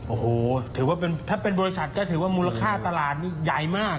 โอ้โหถือว่าถ้าเป็นบริษัทก็ถือว่ามูลค่าตลาดนี่ใหญ่มาก